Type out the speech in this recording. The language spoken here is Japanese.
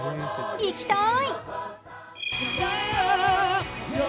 いきたい。